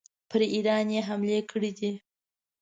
پر ایران یې حملې کړي دي.